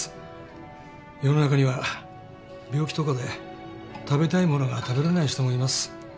世の中には病気とかで食べたいものが食べられない人もいます。